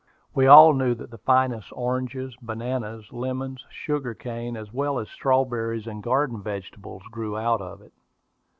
We all knew that the finest oranges, bananas, lemons, sugar cane, as well as strawberries and garden vegetables, grew out of it.